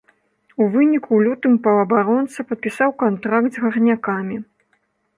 У выніку, у лютым паўабаронца падпісаў кантракт з гарнякамі.